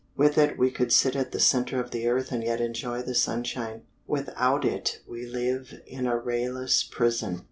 With it we could sit at the center of the earth and yet enjoy the sunshine. Without it we live in a rayless prison.